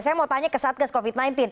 saya mau tanya ke satgas covid sembilan belas